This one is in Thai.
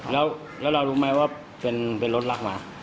แล้วเรารู้ไหมว่าเป็นรถรักมา